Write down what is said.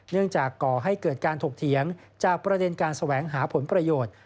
จากก่อให้เกิดการถกเถียงจากประเด็นการแสวงหาผลประโยชน์